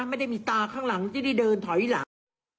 ไม่ได้มีตาข้างหลังจะได้เดินถอยหลัง